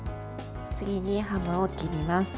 次にハムを切ります。